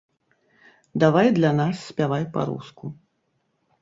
Давай для нас спявай па-руску.